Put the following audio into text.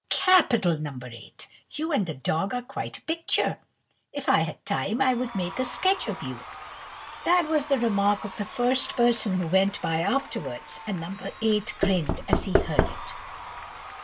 "Capital, No. 8! you and the dog are quite a picture. If I had time, I would make a sketch of you." That was the remark of the first person who went by afterwards, and No. 8 grinned as he heard it.